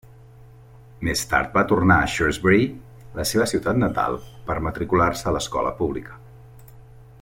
Més tard va tornar a Shrewsbury, la seva ciutat natal, per matricular-se a l'escola pública.